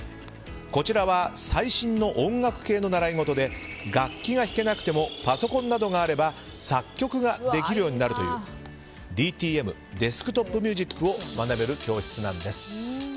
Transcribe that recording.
こちらは最新の音楽系の習い事で楽器が弾けなくてもパソコンなどがあれば作曲ができるようになるというＤＴＭデスクトップミュージックを学べる教室なんです。